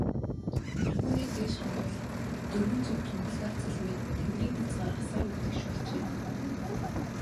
Тэргүүнээ дээш хандвал, дөрвөн зүг тунгалгаар цэлмээд, тэнгэрийн хязгаар асар өв тэгш болжээ.